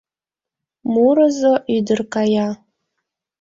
Мурызо ӱдыр кая.